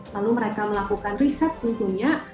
lalu mereka melakukan riset tentunya